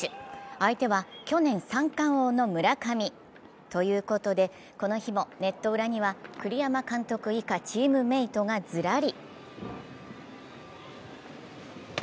相手は去年、三冠王の村上。ということでこの日もネット裏には栗山監督以下チームメートがずらり。